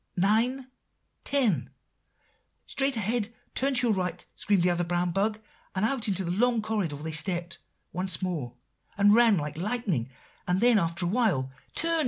"'Nine ten' "'Straight ahead! turn to your right!' screamed the other brown bug; and out into the long corridor they stepped once more, and ran like lightning; and then, after awhile, 'Turn!